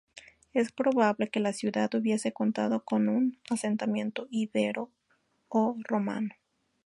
Es probable que la ciudad hubiese contado con un asentamiento íbero o romano.